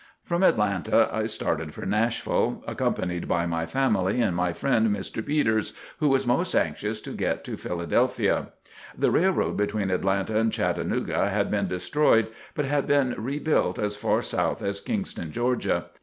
From Atlanta I started for Nashville, accompanied by my family and my friend Mr. Peters, who was most anxious to get to Philadelphia. The railroad between Atlanta and Chattanooga had been destroyed but had been re built as far south as Kingston, Georgia.